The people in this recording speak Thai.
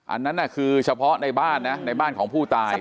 อันนั้นคือเฉพาะในบ้านนะในบ้านของผู้ตาย